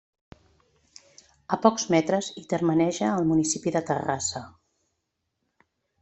A pocs metres hi termeneja el municipi de Terrassa.